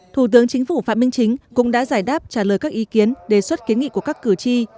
thủ tướng chính phủ phạm minh chính cũng đã giải đáp trả lời các ý kiến đề xuất kiến nghị của các cử tri